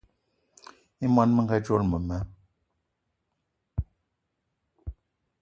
I món menga dzolo mema